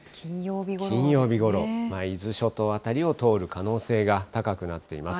金曜日ごろ、伊豆諸島辺りを通る可能性が高くなっています。